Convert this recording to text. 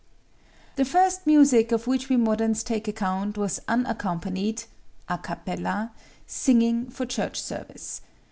The first music of which we moderns take account was unaccompanied (à capella) singing for church service.